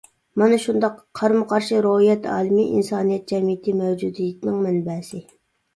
مانا شۇنداق قارىمۇقارشى روھىيەت ئالىمى ئىنسانىيەت جەمئىيىتى مەۋجۇدىيىتىنىڭ مەنبەسى.